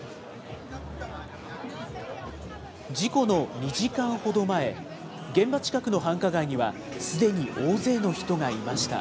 事故の２時間ほど前、現場近くの繁華街にはすでに大勢の人がいました。